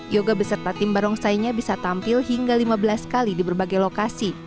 yoga beserta tim barongsainya bisa tampil hingga lima belas kali di berbagai lokasi